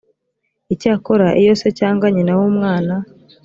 icyakora iyo se cyangwa nyina w umwana